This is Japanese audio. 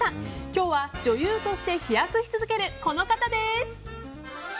今日は女優として飛躍し続けるこの方です！